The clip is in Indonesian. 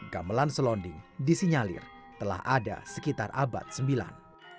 gamelan selonding disinyalir telah ada sekitar abad sembilan